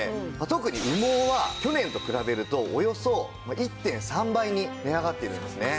特に羽毛は去年と比べるとおよそ１．３倍に値上がっているんですね。